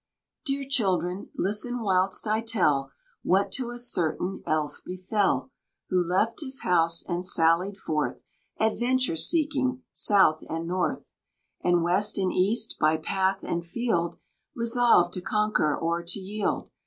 Dear children, listen whilst I tell What to a certain Elf befell, Who left his house and sallied forth Adventure seeking, south and north, And west and east, by path and field, Resolved to conquer or to yield.